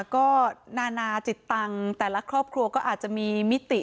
ก็นานาจิตตังค์แต่ละครอบครัวก็อาจจะมีมิติ